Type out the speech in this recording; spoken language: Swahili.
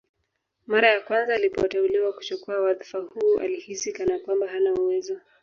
Mara ya kwanza alipoteuliwa kuchukua wadhfa huo alihisi kana kwamba hana uwezo